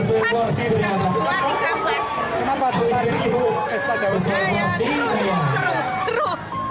seru seru seru